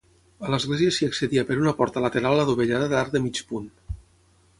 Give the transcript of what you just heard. A l'església s'hi accedia per una porta lateral adovellada d'arc de mig punt.